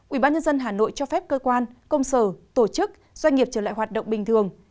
ubnd hà nội cho phép cơ quan công sở tổ chức doanh nghiệp trở lại hoạt động bình thường